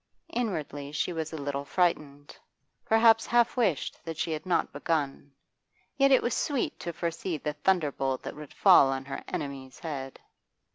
Inwardly she was a little frightened, perhaps half wished that she had not begun. Yet it was sweet to foresee the thunderbolt that would fall on her enemy's head.